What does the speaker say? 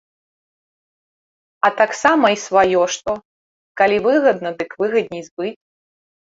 А таксама і сваё што, калі выгадна, дык выгадней збыць.